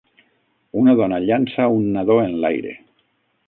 Una dona llança un nadó enlaire.